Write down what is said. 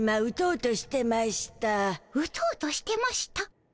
「うとうとしてました」？